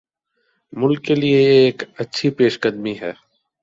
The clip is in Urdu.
ملک کیلئے یہ ایک اچھی پیش قدمی ہے۔